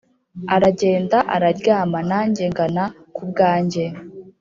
Aragenda araryamaNanjye ngana ku bwanjye